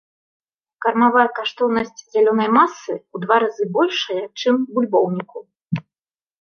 Кармавая каштоўнасць зялёнай масы ў два разы большая, чым бульбоўніку.